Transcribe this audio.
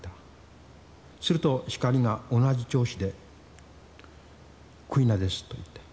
すると光が同じ調子で「クイナです」と言った。